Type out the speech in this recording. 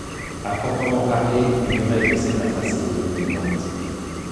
À proprement parler, une règle sert à tracer des lignes droites.